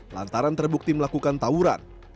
lantaran terbukti melakukan tawuran